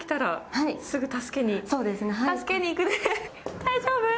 大丈夫？